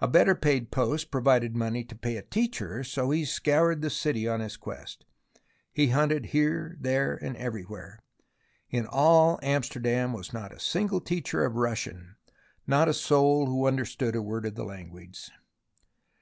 A better paid post provided money to pay a teacher, so he scoured the city on his quest. He hunted here, there and everywhere. In all Amsterdam was not a single teacher of Russian, not a soul who understood a word of the language.